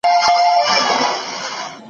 ځینې وختونه ناخوښ شیان د اضطراب لامل کېږي.